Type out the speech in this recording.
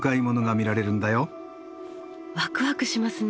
ワクワクしますね。